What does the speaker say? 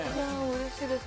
うれしいです。